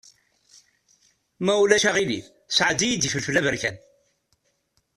Ma ulac aɣilif sɛeddi-yi-d ifelfel aberkan.